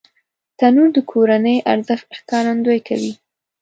تنور د کورنی ارزښت ښکارندويي کوي